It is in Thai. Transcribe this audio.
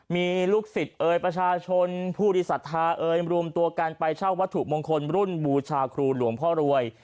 มีลูกศิษย์เอ่ยประชาชนผู้ที่ศรัทธาเอยรวมตัวกันไปเช่าวัตถุมงคลรุ่นบูชาครูหลวงพ่อรวย